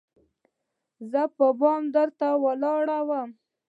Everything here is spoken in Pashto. زه په بام درته ولاړه وم